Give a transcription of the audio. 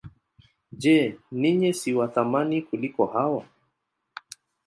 Je, ninyi si wa thamani kuliko hao?